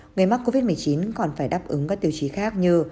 người mắc covid một mươi chín còn phải đáp ứng các tiêu chí khác như